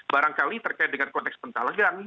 barangkali terkait dengan konteks pentalegan